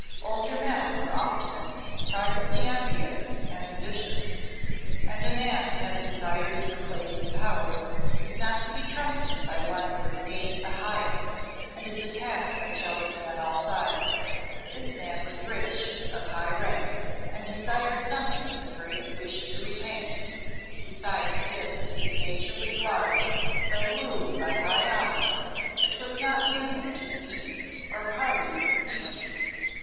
Older men were oftenest privately envious and ambitious; and a man who has desires for place and power is not to be trusted by one who has gained the highest and is attacked by jealousy on all sides. This man was rich, of high rank, and desired nothing his Grace wished to retain; besides this, his nature was large and so ruled by high honour that 'twas not in him to scheme or parley with schemers.